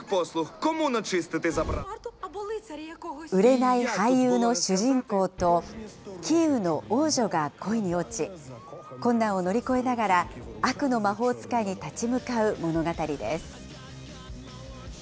売れない俳優の主人公と、キーウの王女が恋に落ち、困難を乗り越えながら、悪の魔法使いに立ち向かう物語です。